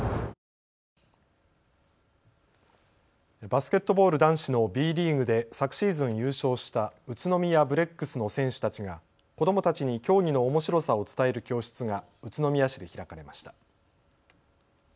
バスケットボール男子のＢリーグで昨シーズン優勝した宇都宮ブレックスの選手たちが子どもたちに競技のおもしろさを伝える教室が宇都宮市で開かれました。